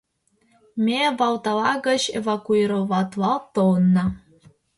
— Ме Валтала гыч эвакуироватлалт толынна.